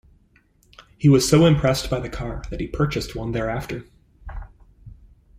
He was so impressed by the car, that he purchased one thereafter.